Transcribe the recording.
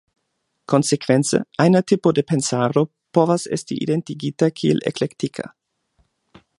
Konsekvence, ajna tipo de pensaro povas esti identigita kiel eklektika.